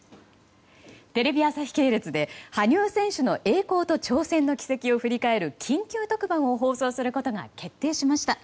テレビ朝日系列で羽生選手の栄光と挑戦の軌跡を振り返る緊急特番を放送することが決定しました。